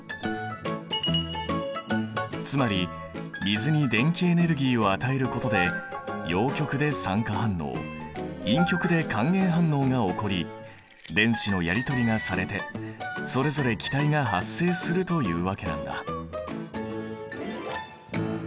つまり水に電気エネルギーを与えることで陽極で酸化反応陰極で還元反応が起こり電子のやり取りがされてそれぞれ気体が発生するというわけなんだ。